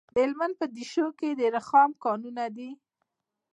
د هلمند په دیشو کې د رخام کانونه دي.